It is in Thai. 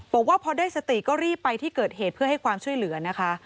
บอกว่าพอได้สติก็รีบไปที่เกิดเหตุเพื่อให้ความช่วยเหลือนะคะ